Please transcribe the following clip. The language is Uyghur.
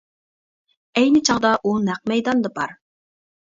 ئەينى چاغدا ئۇ نەق مەيداندا بار.